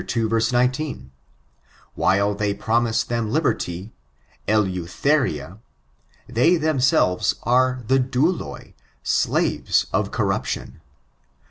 19, While they promise them liberty, deutkeria, they themselves are the daulai, slaves of cor ruption."